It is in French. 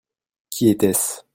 Qui était-ce ?